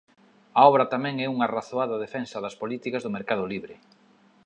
A obra tamén é unha razoada defensa das políticas do mercado libre.